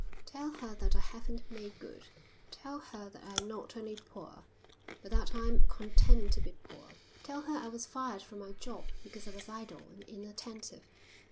"Tell her that I haven't made good. Tell her that I'm not only poor, but that I'm content to be poor. Tell her I was fired from my job because I was idle and inattentive.